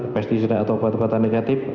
mestisena obat obatan negatif